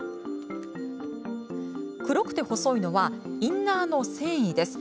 黒くて細いのはインナーの繊維。